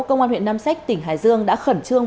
công an huyện nam sách tỉnh hải dương đã khẩn trương